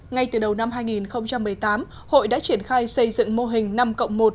ngay từ đầu năm hai nghìn một mươi tám hội đã triển khai xây dựng mô hình năm cộng một